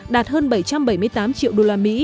đạt hơn bảy trăm bảy mươi tám triệu usd